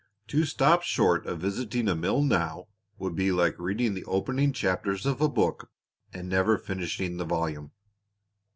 To stop short of visiting a mill now would be like reading the opening chapters of a book and never finishing the volume."